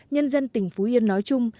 nhân dân tỉnh phú yên nói chung